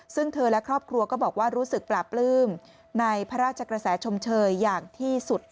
ซึ่งเธอและครอบครัวก็บอกว่ารู้สึกปลาปลื้มในพระราชกระแสชมเชยอย่างที่สุด